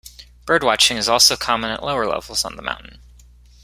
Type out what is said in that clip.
Birdwatching is also common at lower levels on the mountain.